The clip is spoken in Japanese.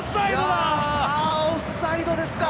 オフサイドですか。